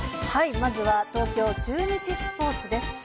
まずは東京中日スポーツです。